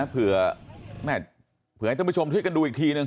เผื่อให้ต้องไปชมช่วยกันดูอีกทีหนึ่ง